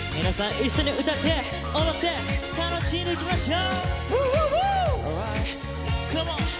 一緒に歌って踊って楽しんでいきましょう。